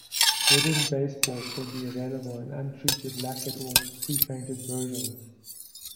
Wooden baseboard can be available in untreated, lacquered or prepainted versions.